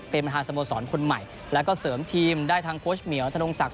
เป็นมธางสมโปรสรรค้นใหม่แล้วก็เสริมทีมได้ทางควอร์ชเมียว